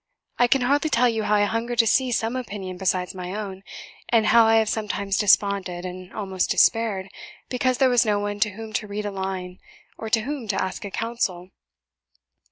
I can hardly tell you how I hunger to hear some opinion besides my own, and how I have sometimes desponded, and almost despaired, because there was no one to whom to read a line, or of whom to ask a counsel.